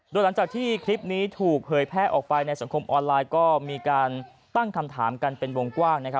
โดยหลังจากที่คลิปนี้ถูกเผยแพร่ออกไปในสังคมออนไลน์ก็มีการตั้งคำถามกันเป็นวงกว้าง